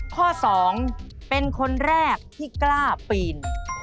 ข้อ๒เป็นคนแรกที่กล้าปีน